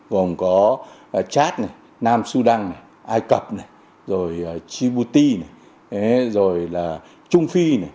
gồm có chad nam sudan ai cập rồi djibouti rồi là trung phi